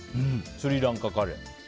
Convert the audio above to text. スリランカカレー。